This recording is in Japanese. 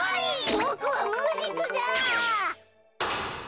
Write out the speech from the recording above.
ボクはむじつだ！